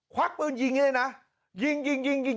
ควักปืนยิงอย่างนี้เลยนะ